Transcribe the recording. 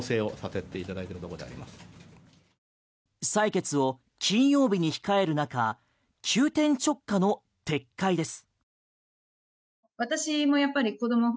採決を金曜日に控える中急転直下の撤回です。